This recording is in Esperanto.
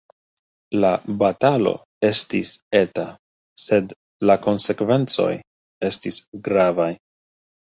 La batalo estis eta sed la konsekvencoj estis gravaj.